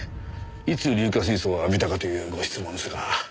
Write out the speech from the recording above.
いつ硫化水素を浴びたかというご質問ですが。